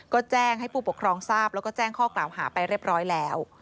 ก็แจ้งให้ผู้ปกครองทราบแล้วก็แจ้งข้อกล่าวหาไปเรียบร้อยแล้ว